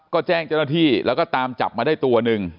ก็แจ้งเจ้าหน้าที่แล้วก็ตามจับมาได้ตัวหนึ่ง